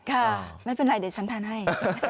ค่ะไม่เป็นไรเดี๋ยวฉันทานให้